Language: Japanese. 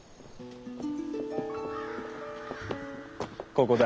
ここだ。